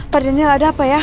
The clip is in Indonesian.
pak daniel ada apa ya